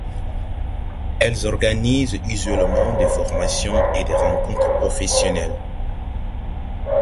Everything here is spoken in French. Elles organisent usuellement des formations et des rencontres professionnelles.